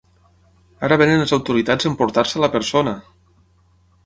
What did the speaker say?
Ara venen les autoritats a emportar-se la persona!